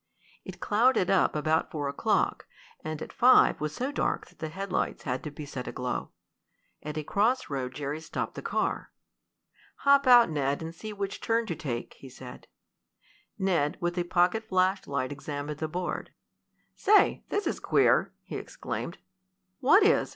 It clouded up about four o'clock, and at five was so dark that the headlights had to be set aglow. At a cross road Jerry stopped the car. "Hop out, Ned, and see which turn to take," he said. Ned, with a pocket flashlight, examined the board. "Say, this is queer!" he exclaimed. "What is?"